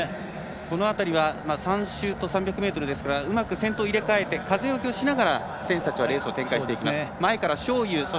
このあたりは３周と３００ｍですからうまく先頭を入れ替えて風よけをしながらレースを展開します。